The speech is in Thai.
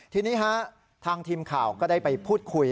ทีนี้ฮะทางทีมข่าวก็ได้ไปพูดคุย